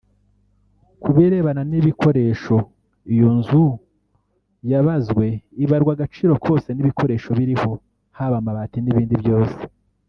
Ku birebana n’ibikoresho iyo inzu yabazwe ibarwa agaciro kose n’ibikoresho biriho haba amabati n’ibindi byose